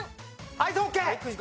アイスホッケー。